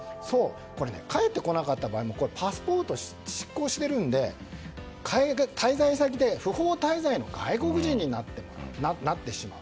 帰ってこなかった場合パスポートが失効しているので、滞在先で不法滞在の外国人になってしまう。